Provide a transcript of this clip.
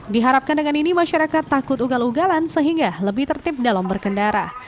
diharapkan dengan ini masyarakat takut ugal ugalan sehingga lebih tertib dalam berkendara